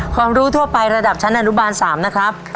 รู้ทั่วไประดับชั้นอนุบาล๓นะครับ